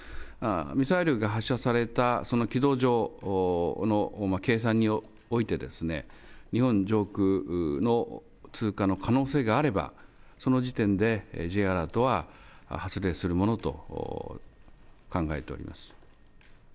ミサイルが発射された、その軌道上の計算において、日本上空の通過の可能性があれば、その時点でＪアラートは発令するものと考えております。